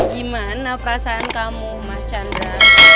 gimana perasaan kamu mas chandra